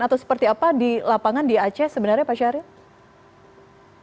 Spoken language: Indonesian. atau seperti apa di lapangan di aceh sebenarnya pak syahril